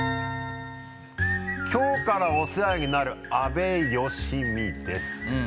「今日からお世話になる阿部芳美です！